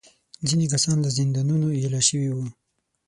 ځینې کسان له زندانونو ایله شوي وو.